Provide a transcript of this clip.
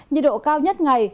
nhiệt độ cao nhất ngày